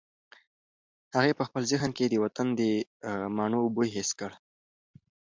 هغې په خپل ذهن کې د وطن د مڼو بوی حس کړ.